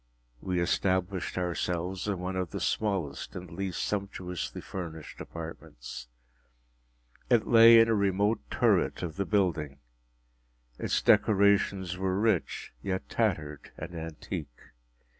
We established ourselves in one of the smallest and least sumptuously furnished apartments. It lay in a remote turret of the building. Its decorations were rich, yet tattered and antique.